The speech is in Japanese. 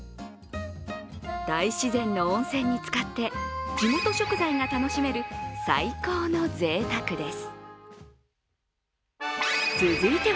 大自然の温泉に浸かって地元食材が楽しめる最高のぜいたくです。